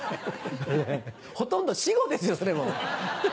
ほとんど死語ですよそれもう。